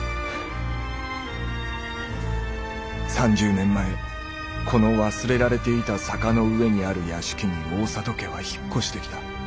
３０年前この忘れられていた坂の上にある屋敷に大郷家は引っ越してきた。